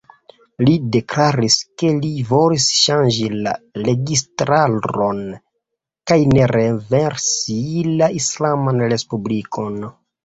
Li deklaris, ke li volis ŝanĝi la registaron, kaj ne renversi la islaman respublikon.